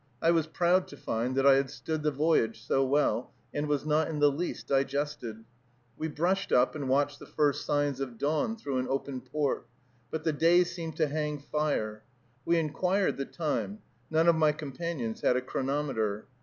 I was proud to find that I had stood the voyage so well, and was not in the least digested. We brushed up and watched the first signs of dawn through an open port; but the day seemed to hang fire. We inquired the time; none of my companions had a chronometer.